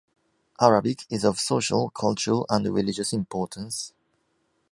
Arabic is of social, cultural and religious importance.